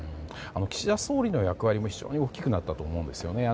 岸田総理の役割も非常に大きくなったと思うんですよね。